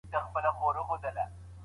غصه کوونکی نور هم ضدي کيږي.